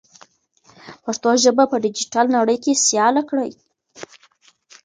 پښتو ژبه په ډیجیټل نړۍ کې سیاله کړئ.